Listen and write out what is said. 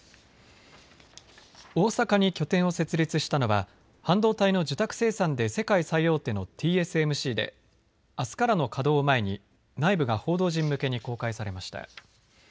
大阪に拠点を設立したのは半導体の受託生産で世界最大手のＴＳＭＣであすからの稼働を前に内部が報道陣向けに公開されました。